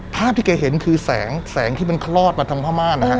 ภาพที่แกเห็นคือแสงแสงที่มันคลอดมาทางพม่านะฮะ